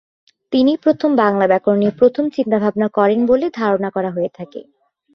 তিনিই প্রথম বাংলার ব্যাকরণ নিয়ে প্রথম চিন্তাভাবনা করেন বলে ধারণা করা হয়ে থাকে।